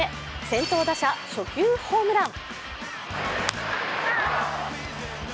先頭打者、初球ホームラン。